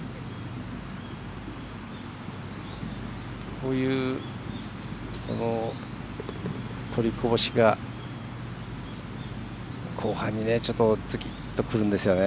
こういう取りこぼしが後半にズキッとくるんですよね。